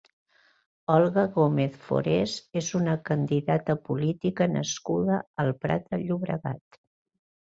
Olga Gómez Forés és una candidata política nascuda al Prat de Llobregat.